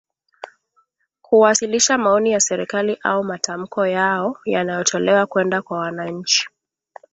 Kuwasilisha maoni ya serikali au matamko yao yanayotolewa kwenda kwa wananchi